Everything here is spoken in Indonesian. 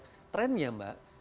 kita lihat trendnya mbak